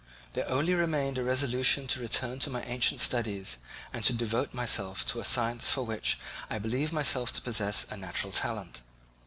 There only remained a resolution to return to my ancient studies and to devote myself to a science for which I believed myself to possess a natural talent.